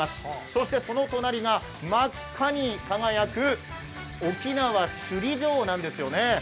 そしてその隣が真っ赤に輝く沖縄・首里城なんですよね。